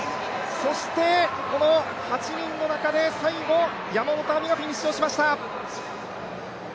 そして８人の中で最後山本亜美がフィニッシュをしました。